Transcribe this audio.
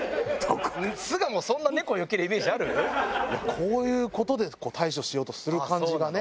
こういう事で対処しようとする感じがね。